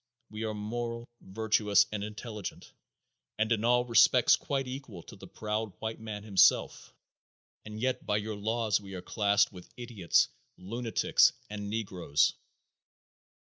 We are moral, virtuous and intelligent, and in all respects quite equal to the proud white man himself, and yet by your laws we are classed with idiots, lunatics and negroes."